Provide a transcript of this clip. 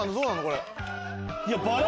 これ。